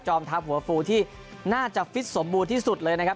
ทัพหัวฟูที่น่าจะฟิตสมบูรณ์ที่สุดเลยนะครับ